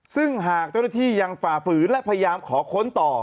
ซึ่งหากเจ้าหน้าที่ยังฝ่าฝืนและพยายามขอค้นต่อ